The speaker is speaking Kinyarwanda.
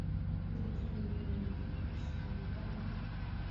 bityo yiyemeza kwisubirira iwe